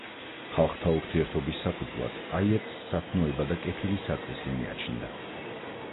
ხალხთა ურთიერთობის საფუძვლად აიეტს სათნოება და „კეთილი საწყისი“ მიაჩნდა.